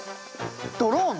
ドローン！？